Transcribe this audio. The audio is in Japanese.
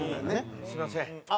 すみません。